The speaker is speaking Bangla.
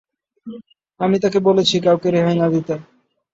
আমি তাকে বলেছি কাউকে রেহাই না দিতে।